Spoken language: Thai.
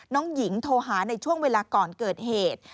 น้องหญิงโทรหาในช่วงเวลาก่อนเกิดเหตุ